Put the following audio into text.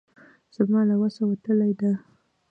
زما له وسه وتلې ده.